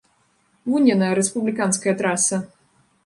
Вунь яна, рэспубліканская траса.